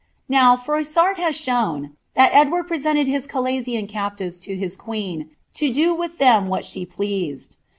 Now, Froissurt has sbon that Edward presented his Calitiian captives to his queen, lo " do •<* ihem what she pleased."